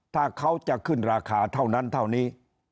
ถ้าเขาจะขึ้นราคาเท่านั้นเท่านี้